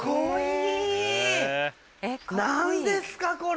何ですかこれ。